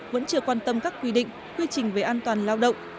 vẫn chưa quan tâm các quy định quy trình về an toàn lao động